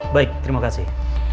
baik terima kasih